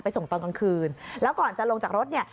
ส่งตอนกลางคืนแล้วก่อนจะลงจากรถเนี่ย